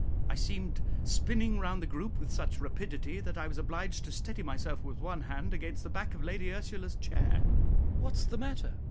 I seemed spinning round the group with such rapidity that I was obliged to steady myself with one hand against the back of Lady Ursula's chair. "What's the matter?